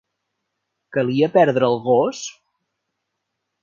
Calia perdre el gos?